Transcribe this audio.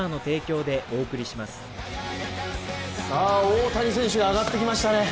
大谷選手が上がってきましたね。